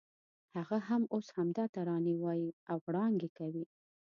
هغه هم اوس همدا ترانې وایي او غړانګې کوي.